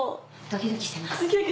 ドキドキしてます？